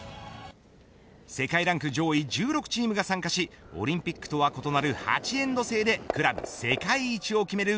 世界ランク上位１６チームが参加しオリンピックとは異なる８エンド制でクラブ世界一を決める